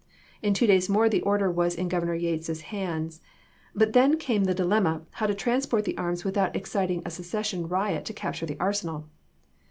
In two days more the order was in Governor Yates's hands ; but then came the dilemma how to transport the arms without exciting a secession riot to capture the arsenal.